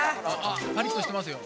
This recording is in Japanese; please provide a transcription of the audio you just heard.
パリッとしてますよ。